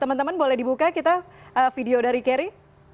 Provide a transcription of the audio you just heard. teman teman boleh dibuka kita video dari kerry